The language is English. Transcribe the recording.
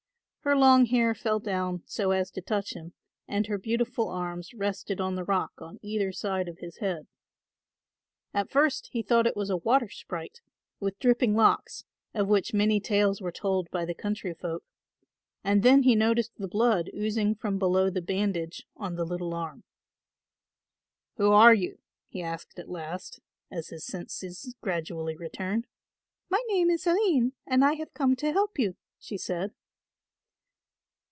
Her long hair fell down so as to touch him and her beautiful arms rested on the rock on either side of his head. At first he thought it was a water sprite with dripping locks, of which many tales were told by the country folk, and then he noticed the blood oozing from below the bandage on the little arm. "Who are you?" he asked at last, as his senses gradually returned. "My name is Aline and I have come to help you," she said.